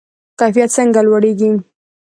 کیفیت څنګه لوړیږي؟